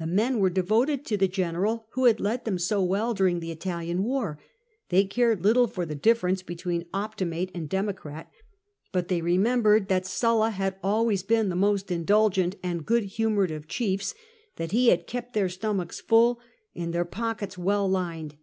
The men were devoted to the general who had led them so well during the Italian war : they cared little for the difference between Optimate and Democrat, hut they remembered that Sulla had always been the most indulgent and good humoured of chiefs, that he had kept their stomachs full and their pockets well lined.